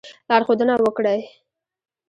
لارښودنه وکړي.